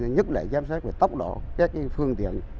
nhất lệ giám sát tốc độ các phương tiện